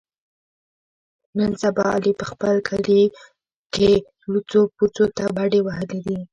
نن سبا علي په خپل کلي کور کې لوڅو پوڅو ته بډې وهلې دي.